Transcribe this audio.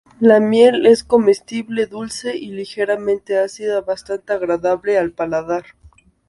La miel es comestible, dulce y ligeramente ácida, bastante agradable al paladar.